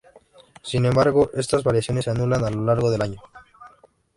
Sin embargo, estas variaciones se anulan a lo largo del año.